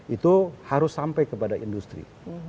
itu harus sampai kepada industri